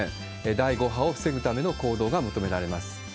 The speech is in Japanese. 第５波を防ぐための行動が求められます。